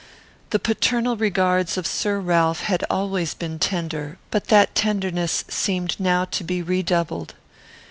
The paternal regards of Sir Ralph had always been tender, but that tenderness seemed now to be redoubled.